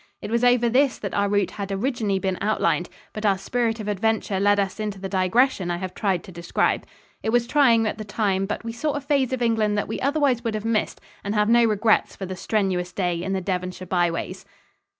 It was over this that our route had originally been outlined, but our spirit of adventure led us into the digression I have tried to describe. It was trying at the time, but we saw a phase of England that we otherwise would have missed and have no regrets for the strenuous day in the Devonshire byways.